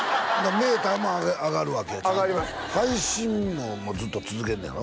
メーターも上がるわけや上がります配信もずっと続けんねやろ？